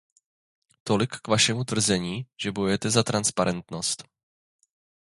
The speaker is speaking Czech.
Tolik k vašemu tvrzení, že bojujete za transparentnost.